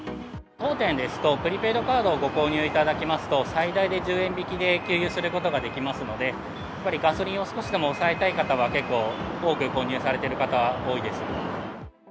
当店ですと、プリペイドカードをご購入いただきますと、最大で１０円引きで給油することができますので、やっぱりガソリンを少しでも抑えたい方は、結構、多く購入されてる方、多いですね。